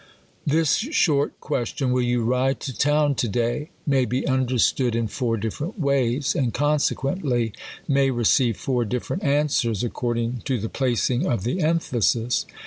This short question, '* Will you ride to town to day V' may be understood in four different ways, and, consequently, may receive four different answ^ers, ac cording tQ, the placing of the emphasis.